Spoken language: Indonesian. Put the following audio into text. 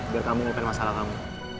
biar kamu ngopi masalah kamu